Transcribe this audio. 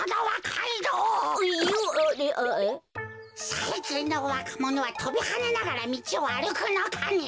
さいきんのわかものはとびはねながらみちをあるくのかね？